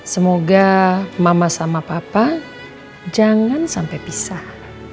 semoga mama sama papa jangan sampai pisah